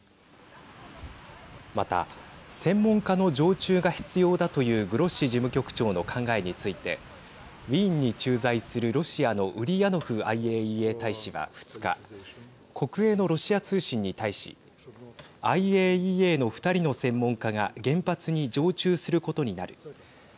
また、専門家の常駐が必要だというグロッシ事務局長の考えについてウィーンに駐在するロシアのウリヤノフＩＡＥＡ大使は２日、国営のロシア通信に対しＩＡＥＡの２人の専門家が原発に常駐することになる。